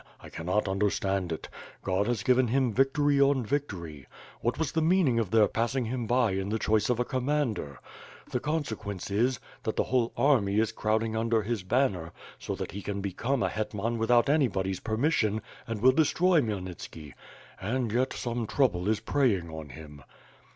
I canot understand it. God has given him victory on victory. What was the meaning of their passing him by in the choice of a commander? The consequence is, that the whole army is crowding under his banner, so that he can become a hetman without anybody's permission, and will destroy Khmyelnitski ... And yet some trouble is preying on him."